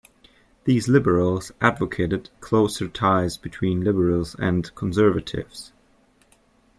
These Liberals advocated closer ties between Liberals and Conservatives.